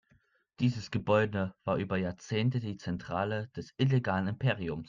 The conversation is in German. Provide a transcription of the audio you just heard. Dieses Gebäude war über Jahrzehnte die Zentrale des illegalen Imperiums.